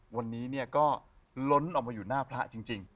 วันนี้ก็ล้นออกมาอยู่หน้าพระจริง